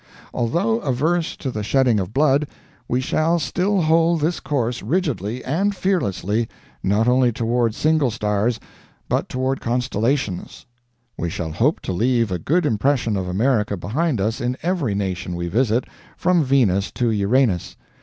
Although averse to the shedding of blood, we shall still hold this course rigidly and fearlessly, not only toward single stars, but toward constellations. We shall hope to leave a good impression of America behind us in every nation we visit, from Venus to Uranus.